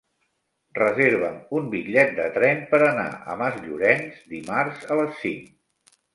Reserva'm un bitllet de tren per anar a Masllorenç dimarts a les cinc.